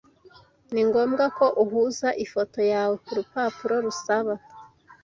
Ni ngombwa ko uhuza ifoto yawe kurupapuro rusaba.